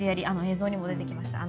映像にも出てきました。